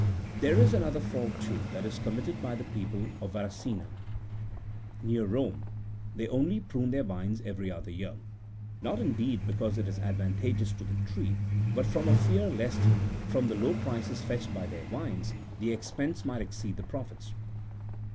There is another fault, too, that is committed by the people of Varracina,67 near Rome— they only prune their vines every other year ; not, indeed, because it is advantageous to the tree, but from a fear lest, from the low prices fetched by their wines, the expense might exceed the profits.